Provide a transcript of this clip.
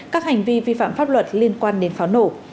các hành vi vi phạm pháp luật liên quan đến pháo nổ